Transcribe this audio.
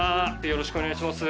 よろしくお願いします。